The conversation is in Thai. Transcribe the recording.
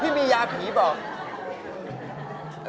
พี่มียาผีเปล่า